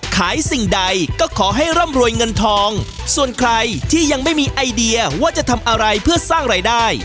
สิ่งใดก็ขอให้ร่ำรวยเงินทองส่วนใครที่ยังไม่มีไอเดียว่าจะทำอะไรเพื่อสร้างรายได้